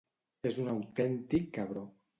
És un autèntic cabró.